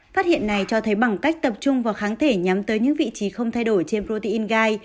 phát hiện này cho thấy bằng cách tập trung vào kháng thể nhắm tới những vị trí không thay đổi trên protein gai